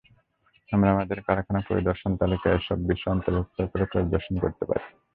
আমরা আমাদের কারখানা পরিদর্শন তালিকায় এসব বিষয় অন্তর্ভুক্ত করে পরিদর্শন করতে পারি।